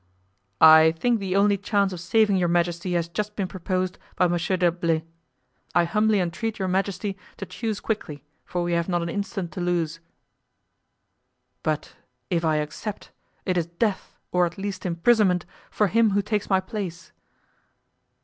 "I think the only chance of saving your majesty has just been proposed by Monsieur d'Herblay. I humbly entreat your majesty to choose quickly, for we have not an instant to lose." "But if I accept, it is death, or at least imprisonment, for him who takes my place."